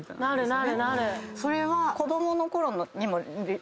それは。